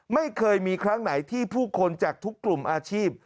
ไม่เคยมีครั้งไหนที่ผู้คนจากทุกกลุ่มอาชีพ